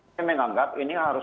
saya menganggap ini harus